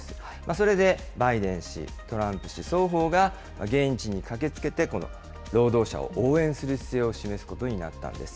それでバイデン氏、トランプ氏、双方が現地に駆けつけて、この労働者を応援する姿勢を示すことになったんです。